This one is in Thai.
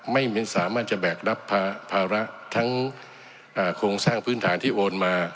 ไม่สามารถจะแบกรับภาระทั้งโครงสร้างพื้นฐานที่โอนมา